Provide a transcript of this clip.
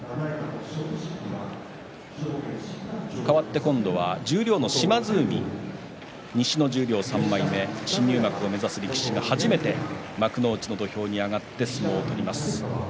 かわって今度は十両の島津海西十両３枚目、新入幕を目指す力士が初めて幕内の土俵に上がって相撲を取ります。